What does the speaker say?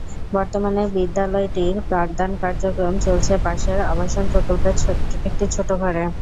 বর্তমানে বিদ্যালয়টির পাঠদান কার্যক্রম চলছে পাশের আবাসন প্রকল্পের একটি ছোট ঘরে।